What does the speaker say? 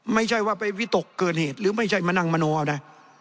ไม่ใช่ว่าไปวิตกเกินเหตุหรือไม่ใช่มานั่งมโนเอานะ